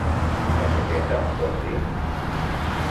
La jaqueta, vols dir?